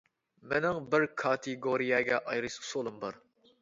مېنىڭ بىر كاتېگورىيەگە ئايرىش ئۇسۇلۇم بار.